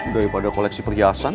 daripada koleksi perhiasan